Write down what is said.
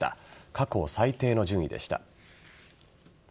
過去最低の順位でした。